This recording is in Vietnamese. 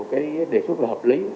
cái đề xuất là hợp lý